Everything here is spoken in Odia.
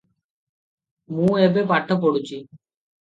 ମୁଁ ଏବେ ପାଠ ପଢୁଛି।